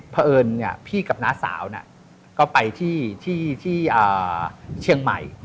เผอิญพี่กับนะสาวก็ไปที่เชียงใหม่